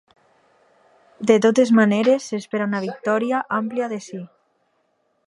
De totes maneres, s’espera una victòria àmplia del sí.